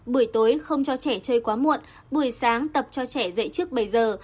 bữa tối không cho trẻ chơi quá muộn buổi sáng tập cho trẻ dậy trước bảy giờ